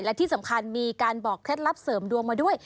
และที่สำคัญมีการบอกเคล็ดลับเสริมดวงมาด้วย